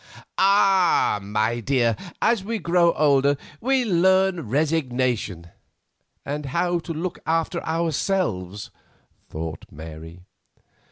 "Ah! my dear, as we grow older we learn resignation——" "And how to look after ourselves," thought Mary.